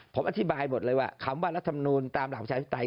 ผมอธิบายหมดความว่าระธรรมนูลตามหลักพระชายศาสนภัย